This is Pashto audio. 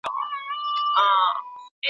نور وګړي به بېخوبه له غپا وي .